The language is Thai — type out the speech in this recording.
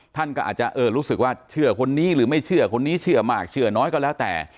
ท่านก็อาจจะเออรู้สึกว่าเชื่อคนนี้หรือไม่เชื่อคนนี้เชื่อมากเชื่อน้อยก็แล้วแต่